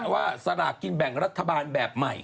สลากกินแบ่งรัฐบาลแบบใหม่